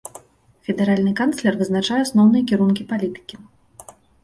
Федэральны канцлер вызначае асноўныя кірункі палітыкі.